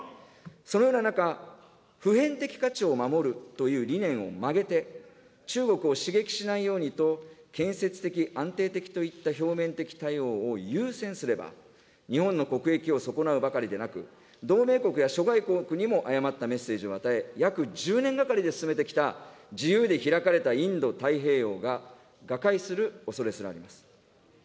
そのような中、普遍的価値を守るという理念を曲げて、中国を刺激しないようにと、建設的、安定的といった表面的対応を優先すれば、日本の国益を損なうばかりでなく、同盟国や諸外国にも誤ったメッセージを与え、約１０年がかりで進めてきた、自由で開かれたインド太平洋が瓦解するおそれすらあります。